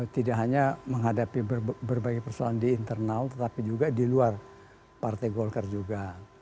tidak hanya menghadapi berbagai persoalan di internal tetapi juga di luar partai golkar juga